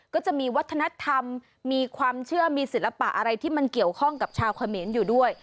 ก็จะมีวัฒนธรรมมีความเชื่อมีศิลปะอะไรที่มันเกี่ยวข้องกับชาวเขมรอยู่ด้วย